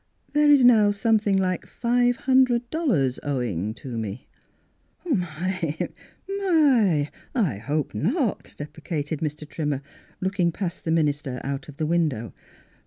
There is now something like five hundred dollars owing me." " Oh, m}^ my ! I hope not," deprecated Mr. Trimmer, looking past the minister out of the window.